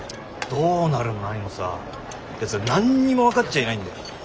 どうなるも何もさやつらは何にも分かっちゃいないんだよ。